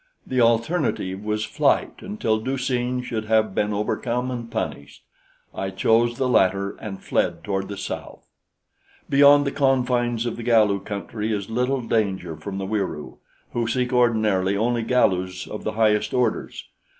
The alternative was flight until Du seen should have been overcome and punished. I chose the latter and fled toward the south. Beyond the confines of the Galu country is little danger from the Wieroo, who seek ordinarily only Galus of the highest orders.